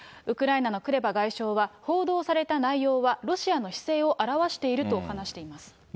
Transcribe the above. ウクライナのクレバ外相は、報道された内容は、ロシアの姿勢を表していると話しています。